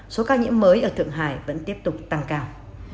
số ca nhiễm mới ở thượng hải vẫn tiếp tục tăng cao